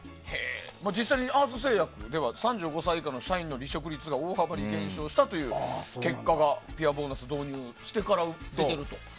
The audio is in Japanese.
実際にアース製薬では３５歳以下の社員の離職率が大幅に減少したという結果がピアボーナス導入してから出てると。